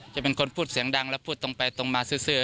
จะเป็นคนพูดเสียงดังแล้วพูดตรงไปตรงมาซื้อ